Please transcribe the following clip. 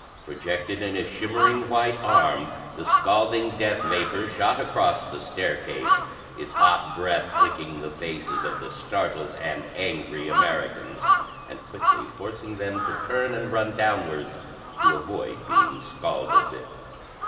Projected in a shimmering white arm the scalding death vapor shot across the staircase, its hot breath licking the faces of the startled and angry Americans, and quickly forcing them to turn and run downwards to avoid being scalded.